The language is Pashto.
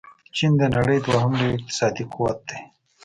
چين د نړۍ دوهم لوی اقتصادي قوت دې.